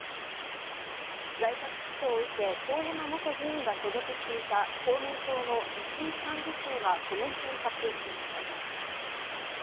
在宅起訴を受け、遠山元議員が所属していた公明党の石井幹事長はコメントを発表しました。